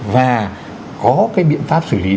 và có cái biện pháp xử lý